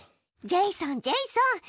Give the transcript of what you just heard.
ジェイソンジェイソン！